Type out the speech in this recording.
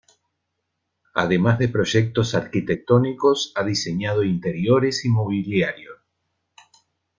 Además de proyectos arquitectónicos, ha diseñado interiores y mobiliario.